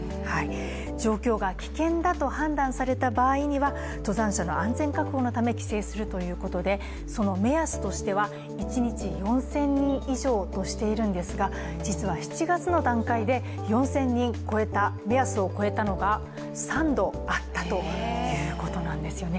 状況が危険だと判断された場合には登山者の安全確保のため規制するということでその目安としては、一日４０００人以上としているんですが実は７月の段階で４０００人、目安を超えたのが３度あったということなんですね。